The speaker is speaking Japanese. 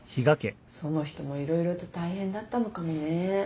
その人も色々と大変だったのかもね。